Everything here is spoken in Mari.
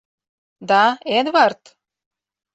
— Да, Эдвард?..